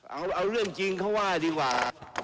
เอาเรื่องจริงเขาว่าดีกว่า